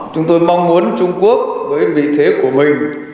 chúng tôi mong muốn trung quốc với vị thế của mình